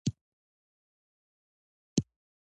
انسان د خطاء څخه خلاص نه دی.